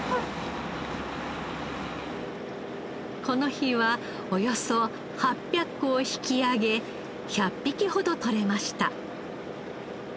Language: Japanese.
この日はおよそ８００個を引き揚げ１００匹ほどとれました。